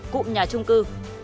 cụm nhà trung cư